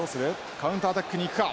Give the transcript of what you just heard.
カウンターアタックにいくか？